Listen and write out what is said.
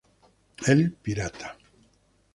El pirata.